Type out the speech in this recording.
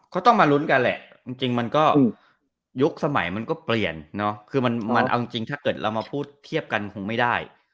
ก็ต้องมาลุ้นกันแหละจริงมันก็ยุคสมัยมันก็เปลี่ยนเนาะคือมันเอาจริงถ้าเกิดเรามาพูดเทียบกันคงไม่ได้